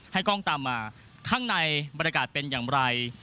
กล้องตามมาข้างในบรรยากาศเป็นอย่างไร